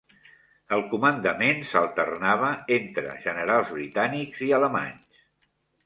El comandament s'alternava entre generals britànics i alemanys.